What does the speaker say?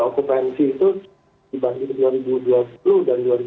okupansi itu dibanding dua ribu dua puluh dan dua ribu dua puluh